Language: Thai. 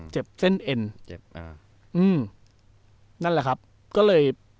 เจ็บเส้นเอ็นเจ็บอ่าอืมนั่นแหละครับก็เลย